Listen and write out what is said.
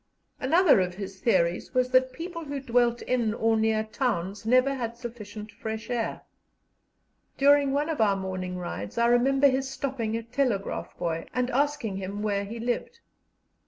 Another of his theories was that people who dwelt in or near towns never had sufficient fresh air. During one of our morning rides I remember his stopping a telegraph boy, and asking him where he lived.